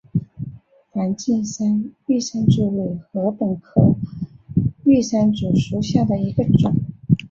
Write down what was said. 梵净山玉山竹为禾本科玉山竹属下的一个种。